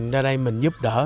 ra đây mình giúp đỡ